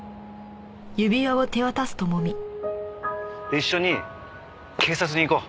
一緒に警察に行こう。